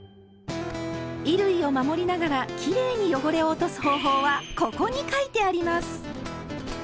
衣類を守りながらきれいに汚れを落とす方法は「ここ」に書いてあります！